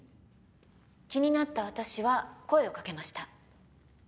気になった私は声をかけました。